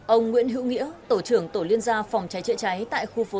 ông nguyễn hữu nghĩa tổ trưởng tổ liên gia phòng cháy chữa cháy tại khu phố